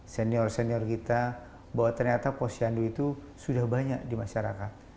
senior senior kita bahwa ternyata posyandu itu sudah banyak di masyarakat